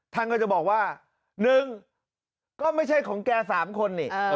ท่านก็จะบอกว่า๑ก็ไม่ใช่ของแก๓คนนี่